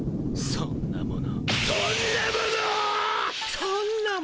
そんなもの